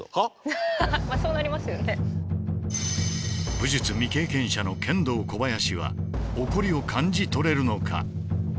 武術未経験者のケンドーコバヤシは「起こり」を感じ取れるのか？